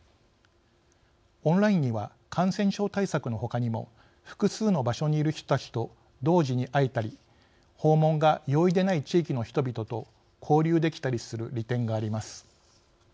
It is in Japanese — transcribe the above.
オンラインには感染症対策のほかにも複数の場所にいる人たちと同時に会えたり訪問が容易でない地域の人々と交流できたりする利点があります。